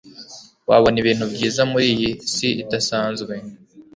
wabona ibintu byiza muriyi si idasanzwe